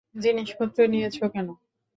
জিনিসপত্র নিয়েছ কেন?